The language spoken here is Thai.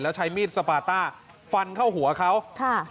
แล้วใช้มีดสปาต้าฟันเข้าหัวเขาค่ะ